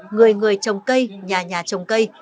người người trồng cây nhà nhà trồng cây